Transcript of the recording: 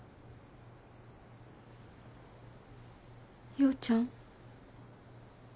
陽ちゃん？